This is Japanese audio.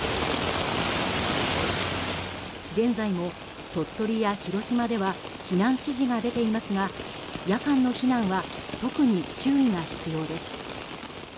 現在も鳥取や広島では避難指示が出ていますが夜間の避難は特に注意が必要です。